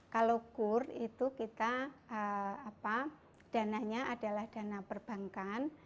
kalau kur itu kita dananya adalah dana perbankan